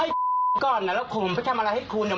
ไอ้ก่อนนะแล้วผมไปทำอะไรให้คุณ